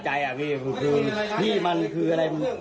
หมี่ครับ